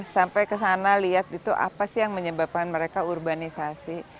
sampai ke sana lihat itu apa sih yang menyebabkan mereka urbanisasi